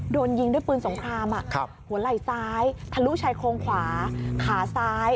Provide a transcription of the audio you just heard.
โดนยิงด้วยปืนสงครามหัวไหล่ซ้ายทะลุชายโครงขวาขาซ้าย